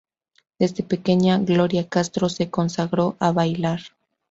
Desde pequeña Gloria Castro se consagró a bailar.